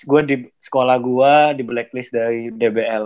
gue di sekolah gue di blacklist dari dbl